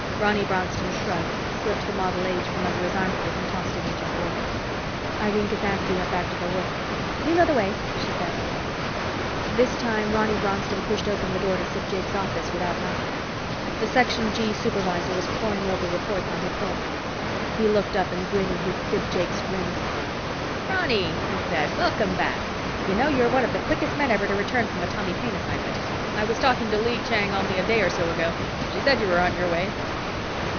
Ronny Bronston shrugged, slipped the Model H from under his armpit and tossed it into the drawer. Irene Kasansky went back to her work. "You know the way," she said. This time Ronny Bronston pushed open the door to Sid Jakes' office without knocking. The Section G supervisor was poring over reports on his desk. He looked up and grinned his Sid Jakes' grin. "Ronny!" he said. "Welcome back. You know, you're one of the quickest men ever to return from a Tommy Paine assignment. I was talking to Lee Chang only a day or so ago. She said you were on your way."